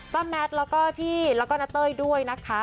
แมทแล้วก็พี่แล้วก็นาเต้ยด้วยนะคะ